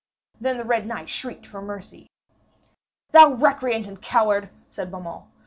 Then the Red Knight shrieked for mercy. 'Thou recreant and coward!' said Beaumains.